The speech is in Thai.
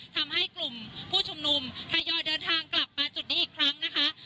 ทำให้กลุ่มผู้ชุมนุมทยอยเดินทางกลับมาจุดนี้อีกครั้งนะคะ